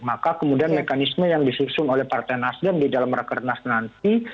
maka kemudian mekanisme yang disusun oleh partai nasdem di dalam rakernas nanti